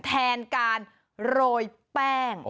แทนการโรยแป้ง